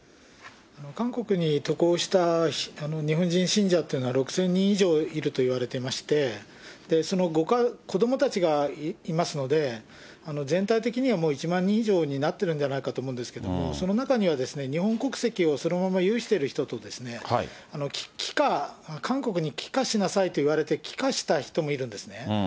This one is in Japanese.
韓国に渡航した日本人信者っていうのは６０００人以上いるといわれてまして、その子どもたちがいますので、全体的にはもう１万人以上になっているんじゃないかと思うんですけれども、その中には日本国籍をそのまま有している人と、帰化、韓国に帰化しなさいと言われて帰化した人もいるんですね。